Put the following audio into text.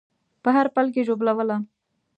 په هر پل کې ژوبلوله